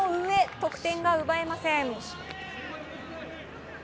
得点が奪えません。